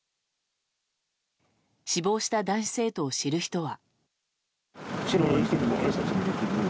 死亡した男子生徒を知る人は。